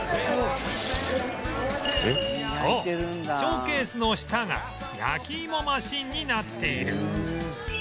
そうショーケースの下が焼き芋マシンになっている